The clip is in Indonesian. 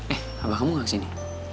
eh abang kamu gak kesini